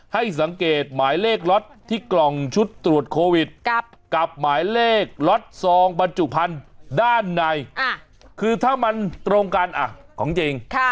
ให้สังเกตหมายเลขล็อตที่กล่องชุดตรวจโควิดกับหมายเลขล็อตซองบรรจุพันธุ์ด้านในคือถ้ามันตรงกันของจริง